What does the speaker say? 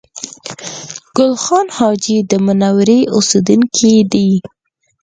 ګل خان حاجي د منورې اوسېدونکی دی